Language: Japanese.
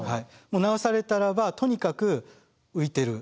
もう流されたらばとにかく浮いてる。